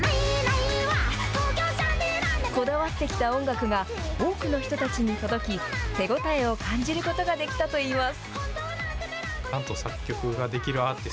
こだわってきた音楽が多くの人たちに届き、手応えを感じることができたといいます。